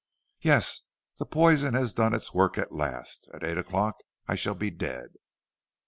"'Yes; the poison has done its work at last. At eight o'clock I shall be dead.'